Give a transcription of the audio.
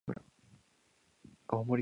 青森県黒石市